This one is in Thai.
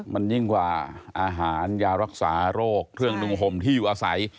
มันยิ่งกว่าอาหารยารักษาโรคเครื่องนุ่งห่มที่อยู่อาศัย